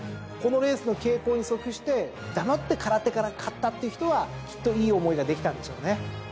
このレースの傾向に則して黙ってカラテから買ったっていう人はきっといい思いができたんでしょうね。